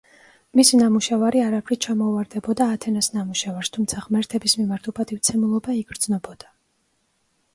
მისი ნამუშევარი არაფრით ჩამოუვარდებოდა ათენას ნამუშევარს, თუმცა ღმერთების მიმართ უპატივცემულობა იგრძნობოდა.